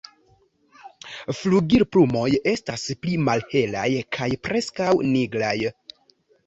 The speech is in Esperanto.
Flugilplumoj estas pli malhelaj kaj preskaŭ nigraj.